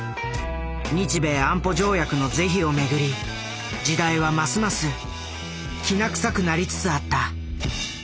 日米安保条約の是非を巡り時代はますますきな臭くなりつつあった。